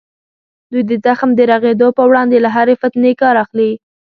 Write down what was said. دوی د زخم د رغېدو په وړاندې له هرې فتنې کار اخلي.